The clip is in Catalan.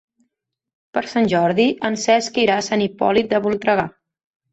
Per Sant Jordi en Cesc irà a Sant Hipòlit de Voltregà.